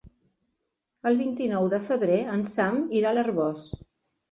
El vint-i-nou de febrer en Sam irà a l'Arboç.